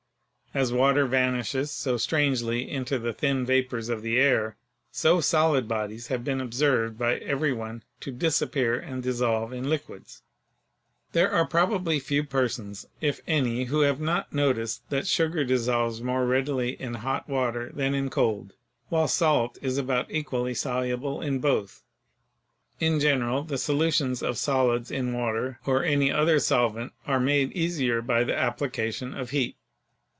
As water vanishes so strangely into the thin vapors of the air, so solid bodies have been observed by every one to disappear and dissolve in liquids. There are probably few persons, if any, who have not noticed that sugar dissolves more readily in hot water than in cold, while salt is about equally soluble in both. In general, the solutions of solids in water or any other sol vent are made easier by the application of heat.